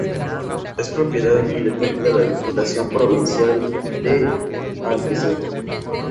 Es propiedad y depende de la Diputación Provincial de Albacete.